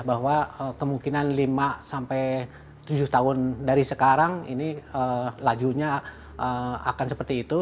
bahwa kemungkinan lima sampai tujuh tahun dari sekarang ini lajunya akan seperti itu